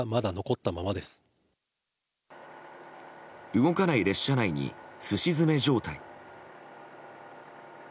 動かない列車内にすし詰め状態。